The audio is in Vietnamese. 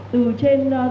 từ trên từ dưới chi nhánh